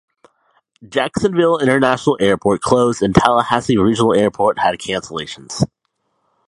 Jacksonville International Airport closed and Tallahassee Regional Airport had cancellations.